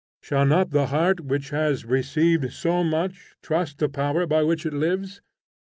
Shall not the heart which has received so much, trust the Power by which it lives?